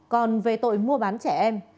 còn về tội mua bán trẻ em